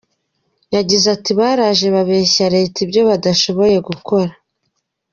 Yagize ati “Baraje babeshya leta ibyo badashoboye gukora.